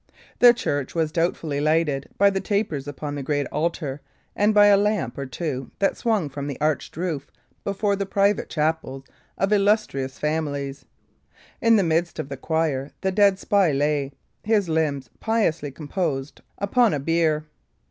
The church was doubtfully lighted by the tapers upon the great altar, and by a lamp or two that swung from the arched roof before the private chapels of illustrious families. In the midst of the choir the dead spy lay, his limbs piously composed, upon a bier.